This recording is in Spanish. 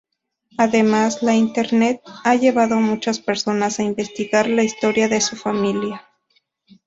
Además, la internet ha llevado muchas personas a investigar la historia de su familia.